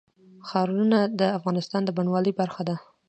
ښارونه د افغانستان د بڼوالۍ برخه ده.